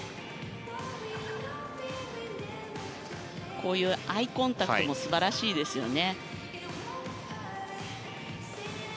こういうアイコンタクトも素晴らしいですよね。